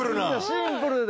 シンプルで。